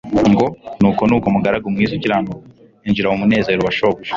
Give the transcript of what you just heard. ngo: «Nuko nuko mugaragu mwiza ukiranuka... injira mu munezero wa shobuja.»